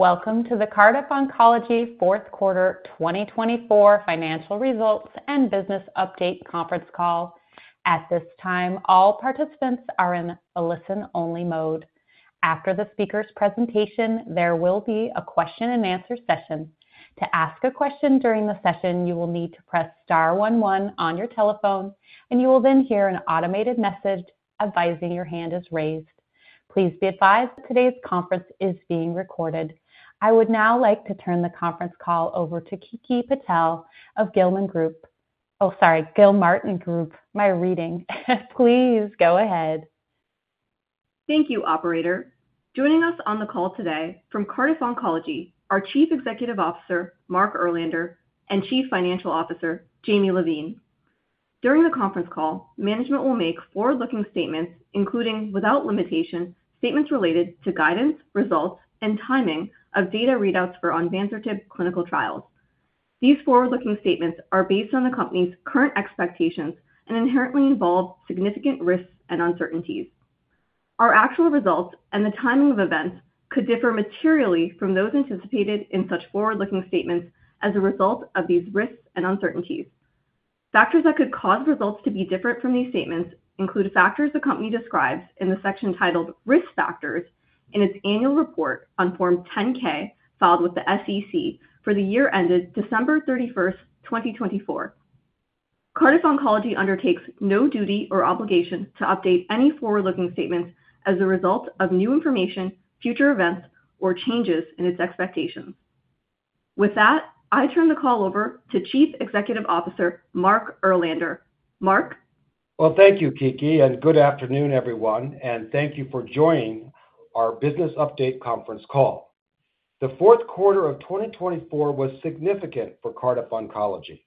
Welcome to the Cardiff Oncology Fourth Quarter 2024 Financial Results and Business Update Conference Call. At this time, all participants are in a listen-only mode. After the speaker's presentation, there will be a question-and-answer session. To ask a question during the session, you will need to press star one one on your telephone, and you will then hear an automated message advising your hand is raised. Please be advised that today's conference is being recorded. I would now like to turn the conference call over to Kiki Patel of Gilmartin Group. My reading. Please go ahead. Thank you, Operator. Joining us on the call today from Cardiff Oncology are Chief Executive Officer Mark Erlander and Chief Financial Officer Jamie Levine. During the conference call, management will make forward-looking statements, including without limitation, statements related to guidance, results, and timing of data readouts for Onvansertib clinical trials. These forward-looking statements are based on the company's current expectations and inherently involve significant risks and uncertainties. Our actual results and the timing of events could differ materially from those anticipated in such forward-looking statements as a result of these risks and uncertainties. Factors that could cause results to be different from these statements include factors the company describes in the section titled Risk Factors in its annual report on Form 10-K filed with the SEC for the year ended December 31, 2024. Cardiff Oncology undertakes no duty or obligation to update any forward-looking statements as a result of new information, future events, or changes in its expectations. With that, I turn the call over to Chief Executive Officer Mark Erlander. Mark. Thank you, Kiki, and good afternoon, everyone, and thank you for joining our Business Update Conference Call. The fourth quarter of 2024 was significant for Cardiff Oncology.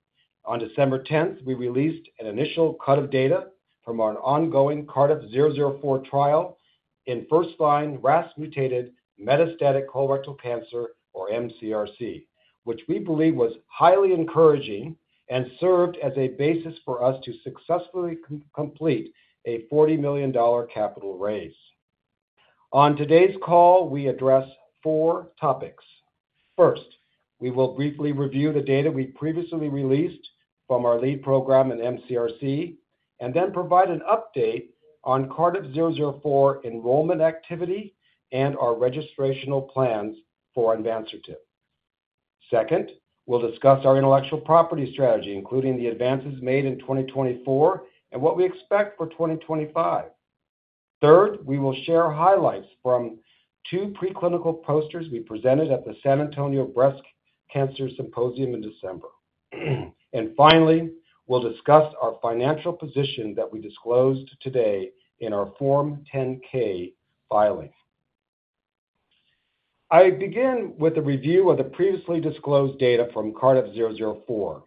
On December 10th, we released an initial cut of data from our ongoing Cardiff 004 trial in first-line RAS-mutated metastatic colorectal cancer, or mCRC, which we believe was highly encouraging and served as a basis for us to successfully complete a $40 million capital raise. On today's call, we address four topics. First, we will briefly review the data we previously released from our lead program in mCRC, and then provide an update on Cardiff 004 enrollment activity and our registrational plans for Onvansertib. Second, we'll discuss our intellectual property strategy, including the advances made in 2024 and what we expect for 2025. Third, we will share highlights from two preclinical posters we presented at the San Antonio Breast Cancer Symposium in December. Finally, we'll discuss our financial position that we disclosed today in our Form 10-K filing. I begin with a review of the previously disclosed data from Cardiff 004,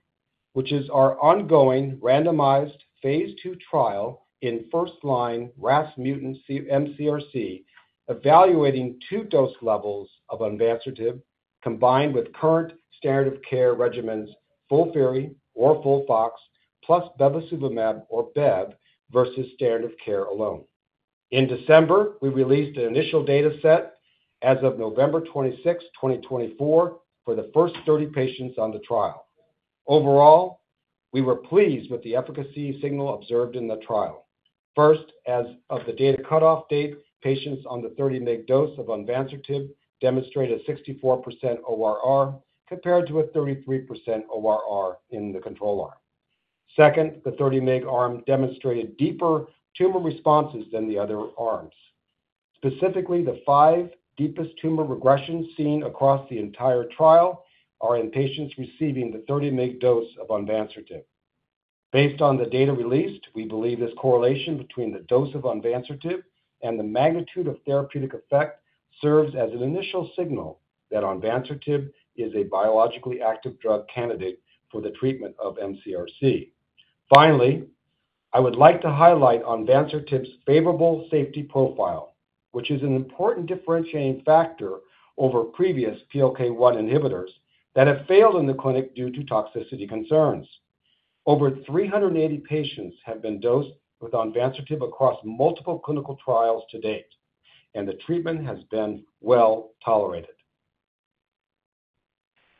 which is our ongoing randomized Phase II trial in first-line RAS mutant mCRC, evaluating two dose levels of Onvansertib combined with current standard of care regimens, FOLFIRI or FOLFOX, plus bevacizumab or BEV versus standard of care alone. In December, we released an initial data set as of November 26, 2024, for the first 30 patients on the trial. Overall, we were pleased with the efficacy signal observed in the trial. First, as of the data cutoff date, patients on the 30 mg dose of Onvansertib demonstrated a 64% ORR compared to a 33% ORR in the control arm. Second, the 30 mg arm demonstrated deeper tumor responses than the other arms. Specifically, the five deepest tumor regressions seen across the entire trial are in patients receiving the 30 mg dose of Onvansertib. Based on the data released, we believe this correlation between the dose of Onvansertib and the magnitude of therapeutic effect serves as an initial signal that Onvansertib is a biologically active drug candidate for the treatment of mCRC. Finally, I would like to highlight Onvansertib's favorable safety profile, which is an important differentiating factor over previous PLK1 inhibitors that have failed in the clinic due to toxicity concerns. Over 380 patients have been dosed with Onvansertib across multiple clinical trials to date, and the treatment has been well tolerated.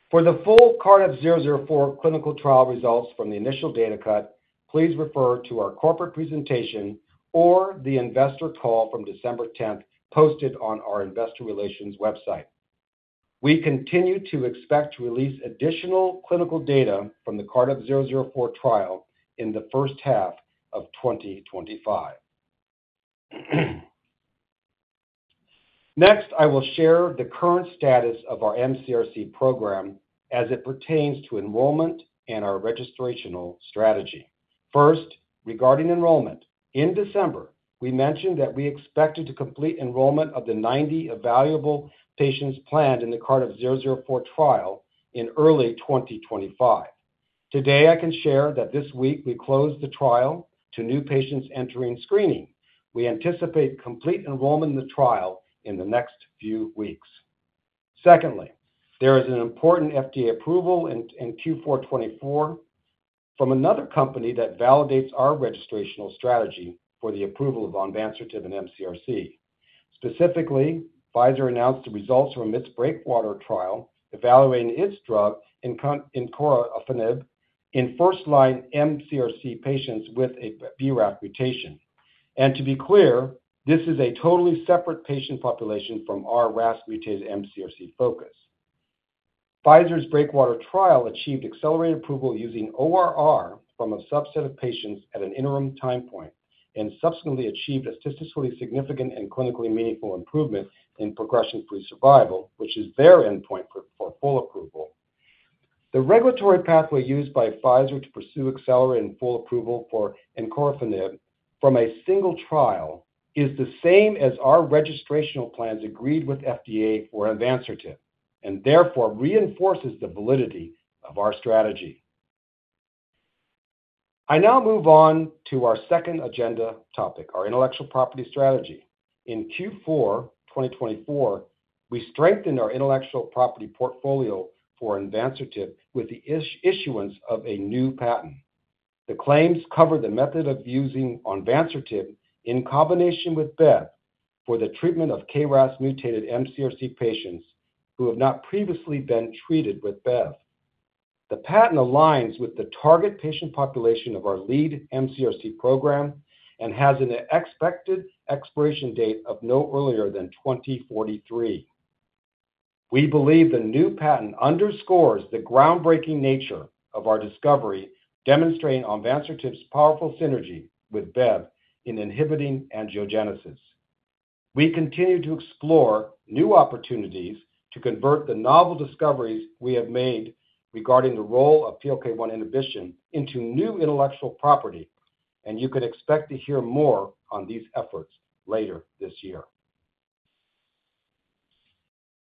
For the full Cardiff 004 clinical trial results from the initial data cut, please refer to our corporate presentation or the investor call from December 10th posted on our investor relations website. We continue to expect to release additional clinical data from the Cardiff 004 trial in the first half of 2025. Next, I will share the current status of our mCRC program as it pertains to enrollment and our registrational strategy. First, regarding enrollment, in December, we mentioned that we expected to complete enrollment of the 90 evaluable patients planned in the Cardiff 004 trial in early 2025. Today, I can share that this week we closed the trial to new patients entering screening. We anticipate complete enrollment in the trial in the next few weeks. Secondly, there is an important FDA approval in Q4 2024 from another company that validates our registrational strategy for the approval of Onvansertib in mCRC. Specifically, Pfizer announced the results from its Breakwater trial evaluating its drug encorafenib in first-line mCRC patients with a BRAF mutation. To be clear, this is a totally separate patient population from our RAS-mutated mCRC focus. Pfizer's Breakwater trial achieved accelerated approval using ORR from a subset of patients at an interim time point and subsequently achieved a statistically significant and clinically meaningful improvement in progression-free survival, which is their endpoint for full approval. The regulatory pathway used by Pfizer to pursue accelerated full approval for encorafenib from a single trial is the same as our registrational plans agreed with FDA for Onvansertib and therefore reinforces the validity of our strategy. I now move on to our second agenda topic, our intellectual property strategy. In Q4 2024, we strengthened our intellectual property portfolio for Onvansertib with the issuance of a new patent. The claims cover the method of using Onvansertib in combination with BEV for the treatment of KRAS-mutated mCRC patients who have not previously been treated with BEV. The patent aligns with the target patient population of our lead mCRC program and has an expected expiration date of no earlier than 2043. We believe the new patent underscores the groundbreaking nature of our discovery, demonstrating Onvansertib's powerful synergy with BEV in inhibiting angiogenesis. We continue to explore new opportunities to convert the novel discoveries we have made regarding the role of PLK1 inhibition into new intellectual property, and you can expect to hear more on these efforts later this year.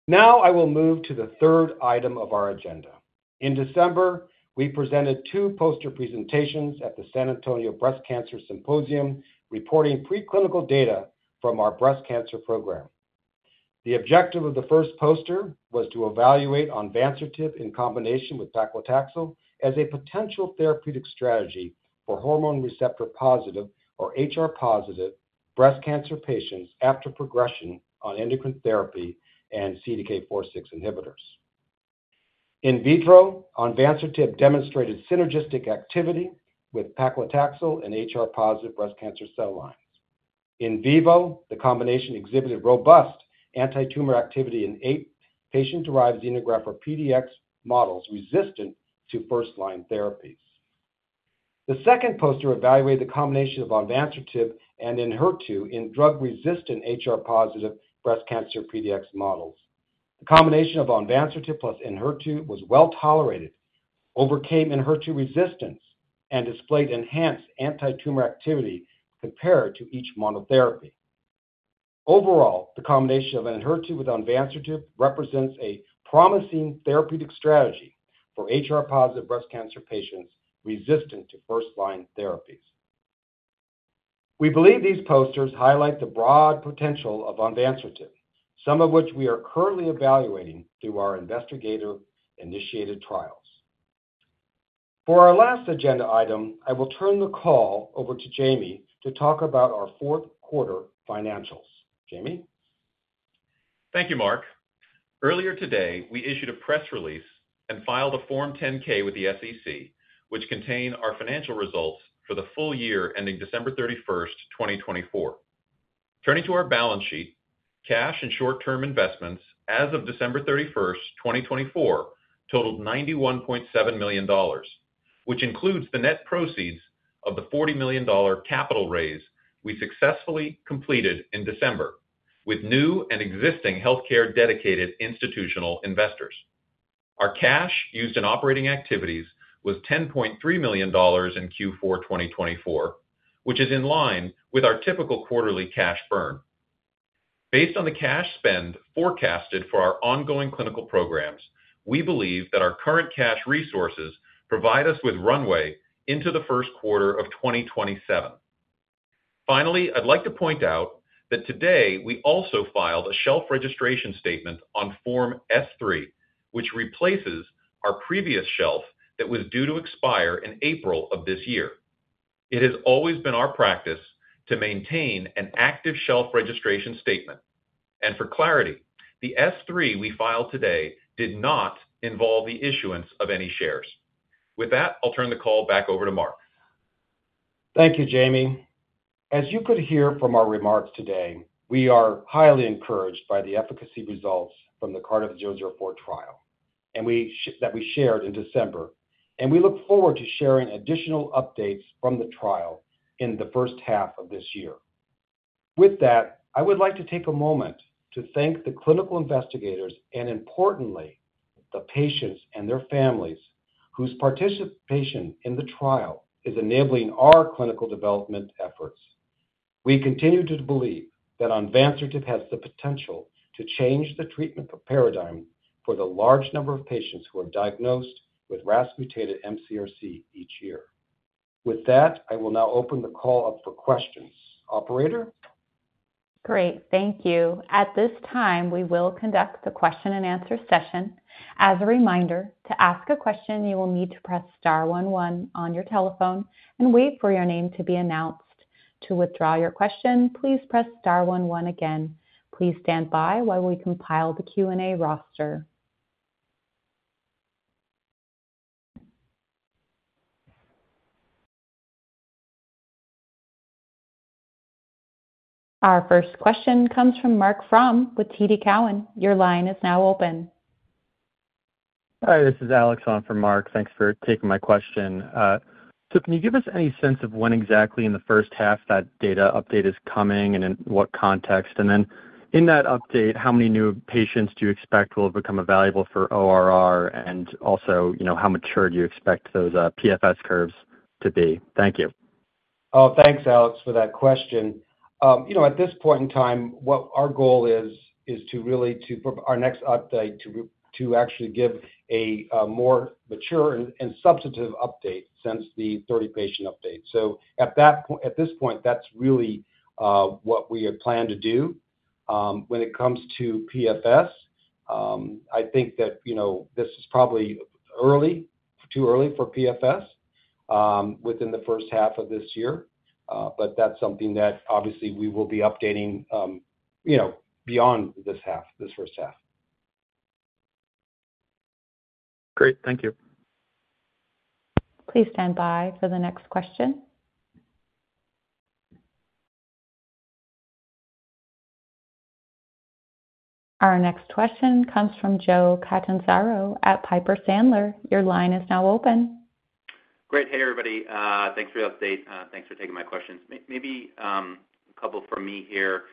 Now I will move to the third item of our agenda. In December, we presented two poster presentations at the San Antonio Breast Cancer Symposium reporting preclinical data from our breast cancer program. The objective of the first poster was to evaluate Onvansertib in combination with paclitaxel as a potential therapeutic strategy for hormone receptor positive, or HR positive, breast cancer patients after progression on endocrine therapy and CDK4/6 inhibitors. In vitro, Onvansertib demonstrated synergistic activity with paclitaxel in HR positive breast cancer cell lines. In vivo, the combination exhibited robust anti-tumor activity in eight patient-derived xenograft or PDX models resistant to first-line therapies. The second poster evaluated the combination of Onvansertib and Neratinib in drug-resistant HR positive breast cancer PDX models. The combination of Onvansertib plus Neratinib was well tolerated, overcame Neratinib resistance, and displayed enhanced anti-tumor activity compared to each monotherapy. Overall, the combination of Neratinib with Onvansertib represents a promising therapeutic strategy for HR positive breast cancer patients resistant to first-line therapies. We believe these posters highlight the broad potential of Onvansertib, some of which we are currently evaluating through our investigator-initiated trials. For our last agenda item, I will turn the call over to Jamie to talk about our fourth quarter financials. Jamie. Thank you, Mark. Earlier today, we issued a press release and filed a Form 10-K with the SEC, which contained our financial results for the full year ending December 31, 2024. Turning to our balance sheet, cash and short-term investments as of December 31, 2024, totaled $91.7 million, which includes the net proceeds of the $40 million capital raise we successfully completed in December with new and existing healthcare-dedicated institutional investors. Our cash used in operating activities was $10.3 million in Q4 2024, which is in line with our typical quarterly cash burn. Based on the cash spend forecasted for our ongoing clinical programs, we believe that our current cash resources provide us with runway into the first quarter of 2027. Finally, I'd like to point out that today we also filed a shelf registration statement on Form S-3, which replaces our previous shelf that was due to expire in April of this year. It has always been our practice to maintain an active shelf registration statement. For clarity, the S-3 we filed today did not involve the issuance of any shares. With that, I'll turn the call back over to Mark. Thank you, Jamie. As you could hear from our remarks today, we are highly encouraged by the efficacy results from the Cardiff 004 trial that we shared in December, and we look forward to sharing additional updates from the trial in the first half of this year. With that, I would like to take a moment to thank the clinical investigators and, importantly, the patients and their families whose participation in the trial is enabling our clinical development efforts. We continue to believe that Onvansertib has the potential to change the treatment paradigm for the large number of patients who are diagnosed with RAS-mutated mCRC each year. With that, I will now open the call up for questions. Operator. Great. Thank you. At this time, we will conduct the question and answer session. As a reminder, to ask a question, you will need to press star one one on your telephone and wait for your name to be announced. To withdraw your question, please press star one one again. Please stand by while we compile the Q&A roster. Our first question comes from Marc Fromm with TD Cowen. Your line is now open. Hi, this is Alex Sakhno from Marc. Thanks for taking my question. Can you give us any sense of when exactly in the first half that data update is coming and in what context? In that update, how many new patients do you expect will become available for ORR? Also, how mature do you expect those PFS curves to be? Thank you. Oh, thanks, Alex, for that question. You know, at this point in time, what our goal is, is to really to our next update to actually give a more mature and substantive update since the 30-patient update. So at this point, that's really what we have planned to do. When it comes to PFS, I think that, you know, this is probably early, too early for PFS within the first half of this year. But that's something that obviously we will be updating, you know, beyond this half, this first half. Great. Thank you. Please stand by for the next question. Our next question comes from Joe Catanzaro at Piper Sandler. Your line is now open. Great. Hey, everybody. Thanks for the update. Thanks for taking my questions. Maybe a couple for me here.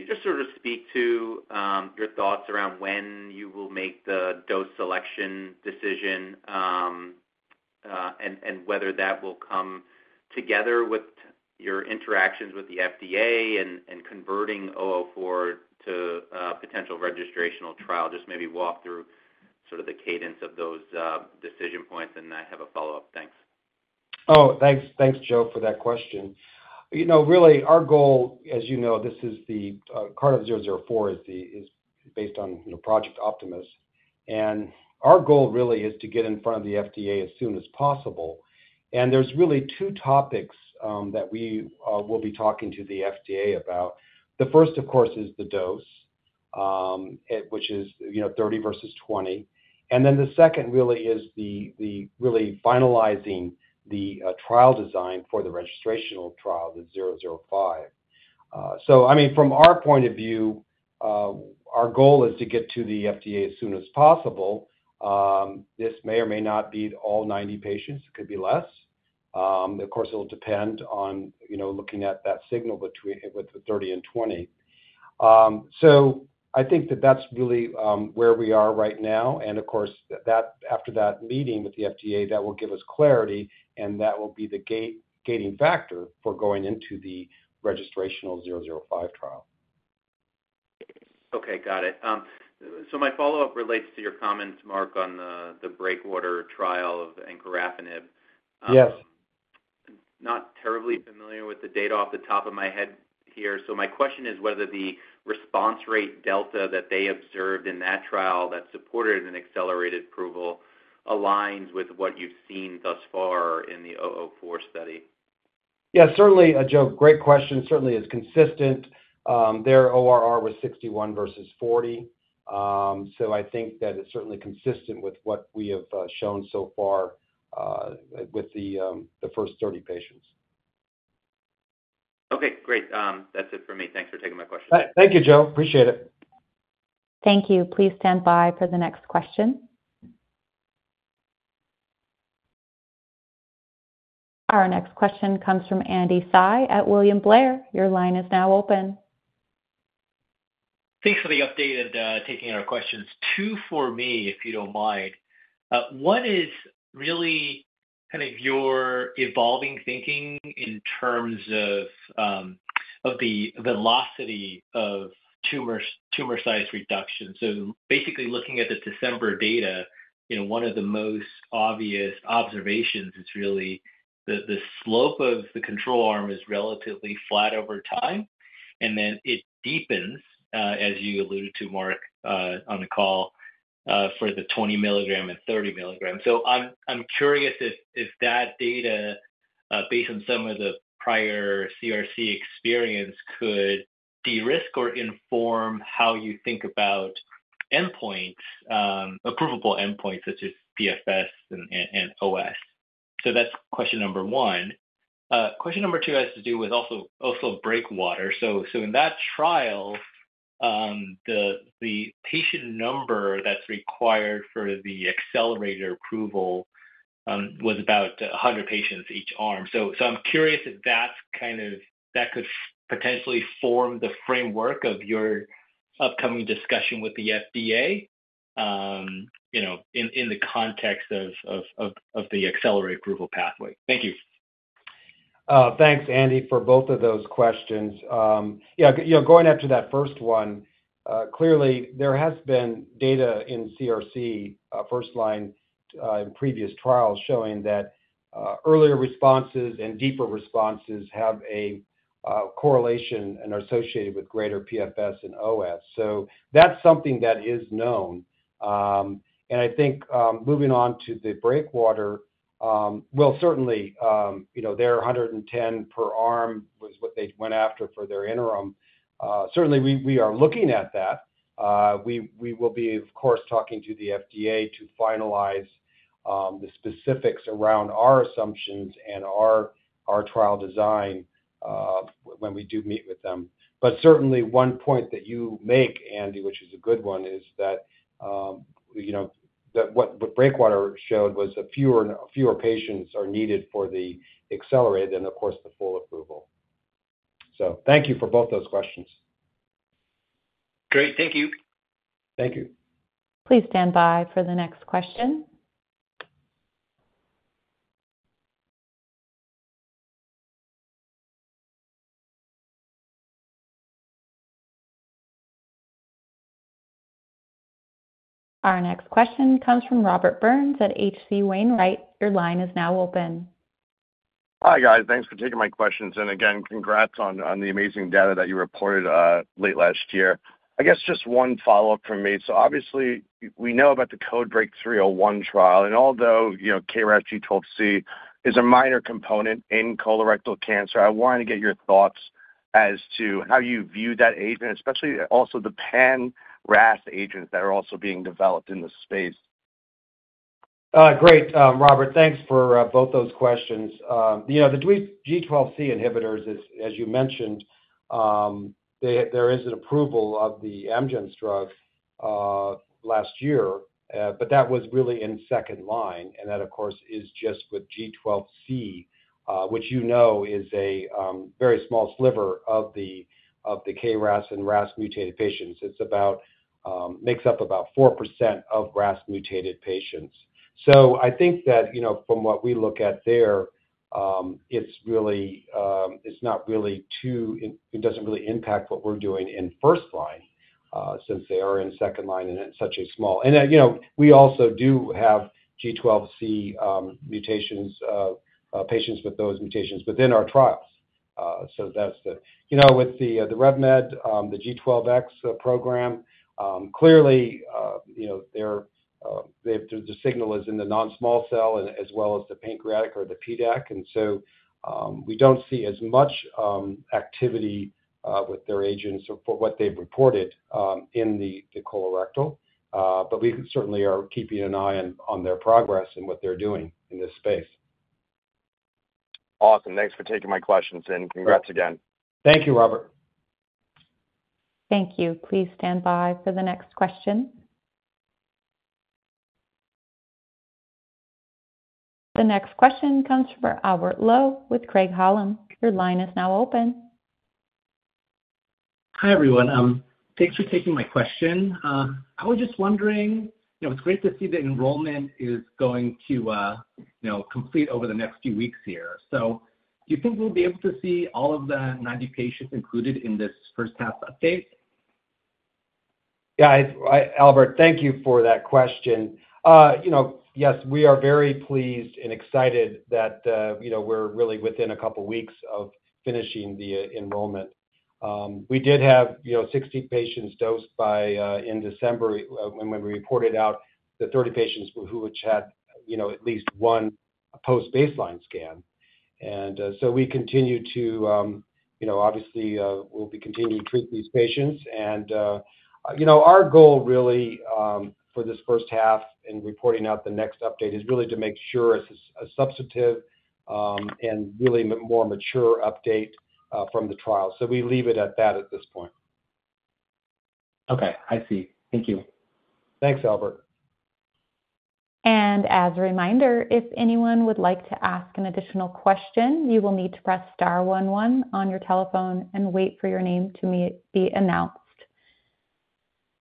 Can you just sort of speak to your thoughts around when you will make the dose selection decision and whether that will come together with your interactions with the FDA and converting 004 to a potential registrational trial? Just maybe walk through sort of the cadence of those decision points and I have a follow-up. Thanks. Oh, thanks. Thanks, Joe, for that question. You know, really, our goal, as you know, this is the Cardiff 004 is based on Project Optimus. Our goal really is to get in front of the FDA as soon as possible. There are really two topics that we will be talking to the FDA about. The first, of course, is the dose, which is, you know, 30 versus 20. The second really is finalizing the trial design for the registrational trial, the 005. I mean, from our point of view, our goal is to get to the FDA as soon as possible. This may or may not be all 90 patients. It could be less. Of course, it'll depend on, you know, looking at that signal between with the 30 and 20. I think that that's really where we are right now. Of course, after that meeting with the FDA, that will give us clarity and that will be the gating factor for going into the registrational 005 trial. Okay. Got it. My follow-up relates to your comments, Mark, on the Breakwater trial of Encorafenib. Yes. Not terribly familiar with the data off the top of my head here. My question is whether the response rate delta that they observed in that trial that supported an accelerated approval aligns with what you've seen thus far in the 004 study. Yeah, certainly, Joe, great question. Certainly is consistent. Their ORR was 61% versus 40%. I think that it's certainly consistent with what we have shown so far with the first 30 patients. Okay. Great. That's it for me. Thanks for taking my question. Thank you, Joe. Appreciate it. Thank you. Please stand by for the next question. Our next question comes from Andy Hsieh at William Blair. Your line is now open. Thanks for the update and taking our questions. Two for me, if you don't mind. One is really kind of your evolving thinking in terms of the velocity of tumor size reduction. Basically looking at the December data, you know, one of the most obvious observations is really that the slope of the control arm is relatively flat over time, and then it deepens, as you alluded to, Mark, on the call for the 20 mg and 30 mg. I'm curious if that data, based on some of the prior CRC experience, could de-risk or inform how you think about endpoints, approval endpoints such as PFS and OS. That's question number one. Question number two has to do with also Breakwater. In that trial, the patient number that's required for the accelerated approval was about 100 patients each arm. I'm curious if that's kind of that could potentially form the framework of your upcoming discussion with the FDA, you know, in the context of the accelerated approval pathway. Thank you. Thanks, Andy, for both of those questions. Yeah, you know, going after that first one, clearly there has been data in CRC first line in previous trials showing that earlier responses and deeper responses have a correlation and are associated with greater PFS and OS. That is something that is known. I think moving on to the Breakwater, certainly, you know, their 110 per arm was what they went after for their interim. Certainly, we are looking at that. We will be, of course, talking to the FDA to finalize the specifics around our assumptions and our trial design when we do meet with them. Certainly, one point that you make, Andy, which is a good one, is that, you know, what Breakwater showed was that fewer patients are needed for the accelerated and, of course, the full approval. Thank you for both those questions. Great. Thank you. Thank you. Please stand by for the next question. Our next question comes from Robert Burns at H.C. Wainwright. Your line is now open. Hi guys. Thanks for taking my questions. Again, congrats on the amazing data that you reported late last year. I guess just one follow-up from me. Obviously, we know about the CodeBreak 301 trial. Although, you know, KRAS G12C is a minor component in colorectal cancer, I wanted to get your thoughts as to how you view that agent, especially also the pan-RAS agents that are also being developed in the space. Great, Robert. Thanks for both those questions. You know, the G12C inhibitors, as you mentioned, there is an approval of the Amgen drug last year, but that was really in second line. That, of course, is just with G12C, which you know is a very small sliver of the KRAS and RAS-mutated patients. It makes up about 4% of RAS-mutated patients. I think that, you know, from what we look at there, it's really not really too, it doesn't really impact what we're doing in first line since they are in second line and it's such a small. You know, we also do have G12C mutations, patients with those mutations within our trials. That's the, you know, with the RevMed, the G12X program, clearly, you know, their signal is in the non-small cell as well as the pancreatic or the PDAC. We do not see as much activity with their agents for what they have reported in the colorectal. We certainly are keeping an eye on their progress and what they are doing in this space. Awesome. Thanks for taking my questions and congrats again. Thank you, Robert. Thank you. Please stand by for the next question. The next question comes from Albert Lowe with Craig-Hallum. Your line is now open. Hi everyone. Thanks for taking my question. I was just wondering, you know, it's great to see the enrollment is going to, you know, complete over the next few weeks here. Do you think we'll be able to see all of the 90 patients included in this first half update? Yeah. Albert, thank you for that question. You know, yes, we are very pleased and excited that, you know, we're really within a couple of weeks of finishing the enrollment. We did have, you know, 60 patients dosed by in December when we reported out the 30 patients who had, you know, at least one post-baseline scan. You know, we continue to, you know, obviously, we'll be continuing to treat these patients. You know, our goal really for this first half in reporting out the next update is really to make sure it's a substantive and really more mature update from the trial. We leave it at that at this point. Okay. I see. Thank you. Thanks, Albert. As a reminder, if anyone would like to ask an additional question, you will need to press star one one on your telephone and wait for your name to be announced.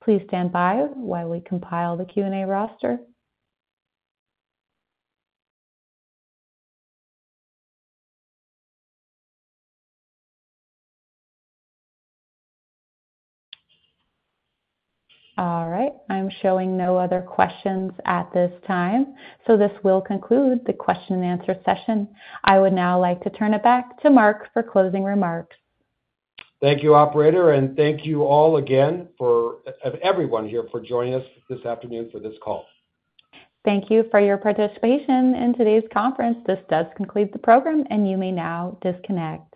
Please stand by while we compile the Q&A roster. All right. I'm showing no other questions at this time. This will conclude the question and answer session. I would now like to turn it back to Mark for closing remarks. Thank you, Operator. Thank you all again for everyone here for joining us this afternoon for this call. Thank you for your participation in today's conference. This does conclude the program, and you may now disconnect.